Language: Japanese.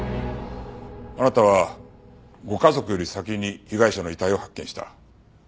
あなたはご家族より先に被害者の遺体を発見した。